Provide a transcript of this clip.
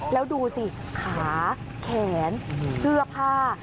แล้วดูสิขาแขนเสื้อผ้า